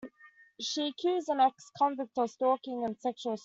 She accused an ex-convict of stalking and sexual assault.